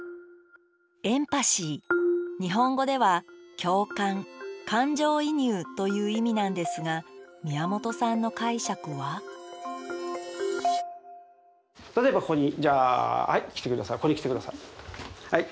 日本語では共感感情移入という意味なんですが宮本さんの解釈は例えばここにじゃはい来てください。